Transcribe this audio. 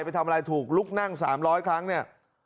ไปทำอะไรถูกลุกนั่ง๓๐๐ครั้งเนี่ย